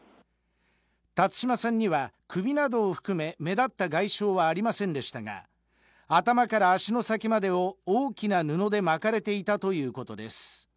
辰島さんには首などを含め、目立った外傷はありませんでしたが、頭から足の先までを、大きな布で巻かれていたということです。